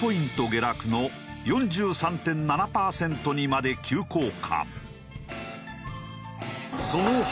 下落の４３．７パーセントにまで急降下。